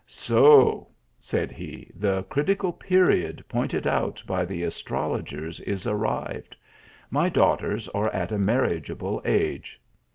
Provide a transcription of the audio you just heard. " So !" said he, " the critical period pointed out by the astrologers is arrived. My daughters are at a marriageable age.